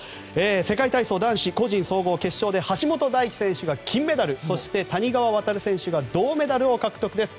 世界体操男子個人総合決勝で橋本大輝選手が金メダルそして谷川航選手が銅メダルを獲得です。